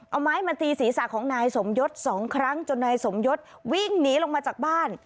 เอาไม้มาตีศีรษะของนายสมยศ๒ครั้งจนนายสมยศวิ่งหนีลงมาจากบ้าน